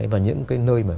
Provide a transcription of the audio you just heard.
và những cái nơi mà